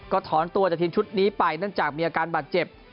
ก็ถอนตัวจากทีมชุดนี้ไปเนื่องจากมีอาการบาดเจ็บ